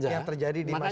yang terjadi di masyarakat